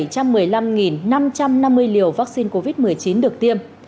trong ngày một mươi năm tháng chín một lượt người đã được tiêm